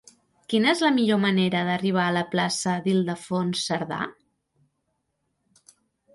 Quina és la millor manera d'arribar a la plaça d'Ildefons Cerdà?